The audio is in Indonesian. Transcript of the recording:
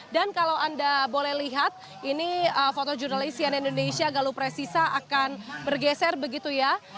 dan kalau anda boleh lihat ini foto jurnalisian indonesia galupresisa akan bergeser begitu ya